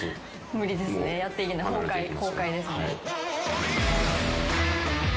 無理ですねやっていけない崩壊ですね。